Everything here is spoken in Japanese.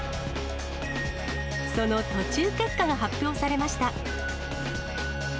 その途中結果が発表されました。